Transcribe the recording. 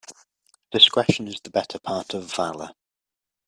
Discretion is the better part of valour.